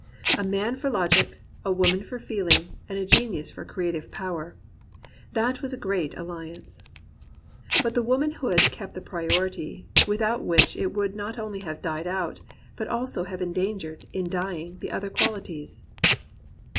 A man for logic, a woman for feehng, a genius for creative power — that was a great aUiance. But the womanhood kept the prior ity without which it would not only have died out, 134 GEORGE ELIOT AND REAL WOMEN but also have endangered, in dying, the other qual ities.